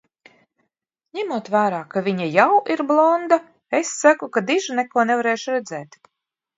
Ņemot vērā, ka viņa jau ir blonda, es saku, ka diži neko nevarēšu redzēt.